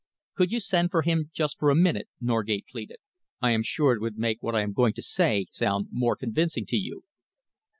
"Could you send for him here just for a minute?" Norgate pleaded. "I am sure it would make what I am going to say sound more convincing to you."